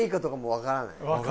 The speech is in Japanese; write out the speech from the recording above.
分からない